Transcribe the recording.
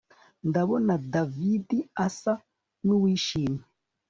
Ndabona David asa nuwishimye